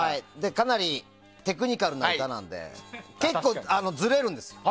かなりテクニカルな歌なので結構、ずれるんです。